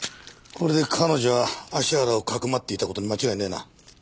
これで彼女が芦原をかくまっていた事に間違いねえな。